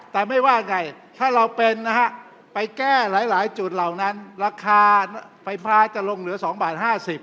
แต่ไม่ว่าไงถ้าเราเป็นนะฮะไปแก้หลายจุดเหล่านั้นราคาไฟฟ้าจะลงเหลือ๒บาท๕๐บาท